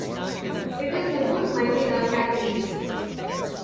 It is a good micellar catalyst.